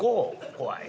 怖い。